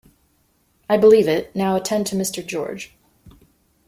I believe it, now attend to Mr. George.